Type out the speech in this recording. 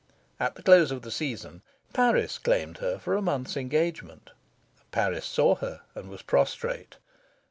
At the close of the Season, Paris claimed her for a month's engagement. Paris saw her and was prostrate.